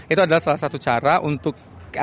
itu adalah salah satu cara untuk